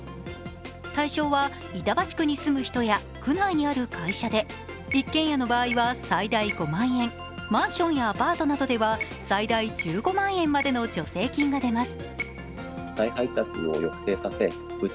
対象は板橋区に住む人や区内に住む会社で一軒家の場合は最大５万円、マンションやアパートなどでは最大１５万円までの助成金が出ます。